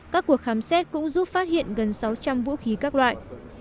các cuộc khám xét cũng giúp phát hiện gần sáu trăm linh vũ khí các loại